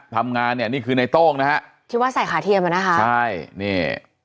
ทำงานเนี่ยนี่คือในโต้งนะฮะที่ว่าใส่ขาเทียมอ่ะนะคะใช่นี่